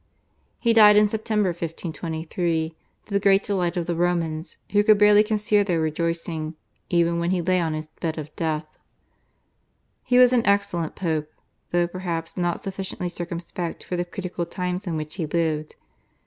He died in September 1523 to the great delight of the Romans, who could barely conceal their rejoicing even when he lay on his bed of death. He was an excellent Pope, though perhaps not sufficiently circumspect for the critical times in which he lived.